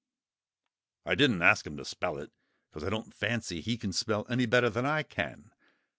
I didn't ask him to spell it, because I don't fancy he can spell any better than I can.